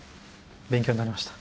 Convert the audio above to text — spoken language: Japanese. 勉強になりました。